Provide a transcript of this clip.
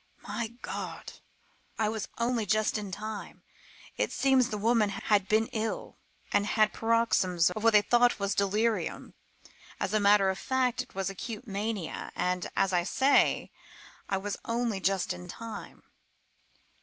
My God! I was only just in time. It seems the woman had been ill, and had had paroxysms of what they thought was delirium. As a matter of fact it was acute mania; and, as I say, I was only just in time."